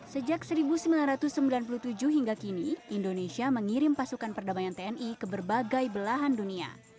sejak seribu sembilan ratus sembilan puluh tujuh hingga kini indonesia mengirim pasukan perdamaian tni ke berbagai belahan dunia